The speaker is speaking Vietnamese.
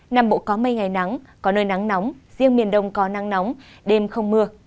nam bộ có mây ngày nắng có nơi nắng nóng riêng miền đông có nắng nóng đêm không mưa